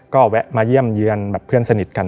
ก็แวะมาเยี่ยมเยือนแบบเพื่อนสนิทกัน